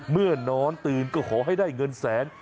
เมื่อนอนตื่นก็ขอให้ได้เงินแสน